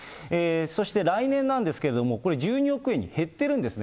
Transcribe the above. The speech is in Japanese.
そして来年なんですけれども、これ、１２億円に減っているんですね。